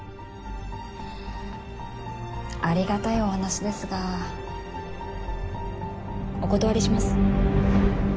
ありがたいお話ですがお断りします。